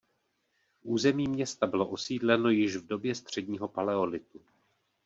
Území města bylo osídleno již v době středního paleolitu.